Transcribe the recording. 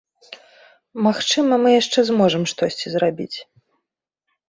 Магчыма, мы яшчэ зможам штосьці зрабіць.